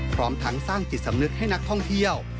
พร้อมทั้งสร้างจิตสำนึกให้นักท่องเที่ยว